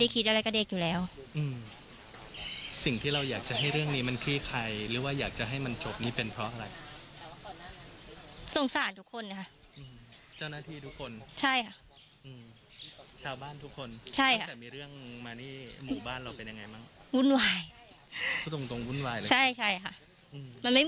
คิดว่าปัญหาทั้งหมดที่เกิดที่นี่เป็นเพราะใคร